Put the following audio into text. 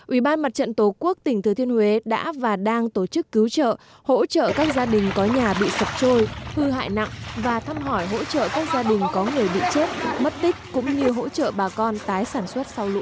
ủy ban mặt trận tổ quốc tỉnh thừa thiên huế đã và đang tổ chức cứu trợ hỗ trợ các gia đình có nhà bị sập trôi hư hại nặng và thăm hỏi hỗ trợ các gia đình có người bị chết mất tích cũng như hỗ trợ bà con tái sản xuất sau lũ